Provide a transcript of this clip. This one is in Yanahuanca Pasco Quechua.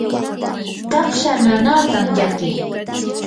taksha nanaatam llakii.